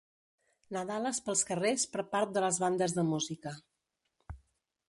Nadales pels carrers per part de les bandes de música.